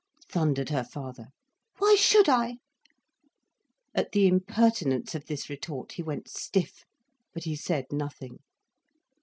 thundered her father. "Why should I?" At the impertinence of this retort, he went stiff. But he said nothing.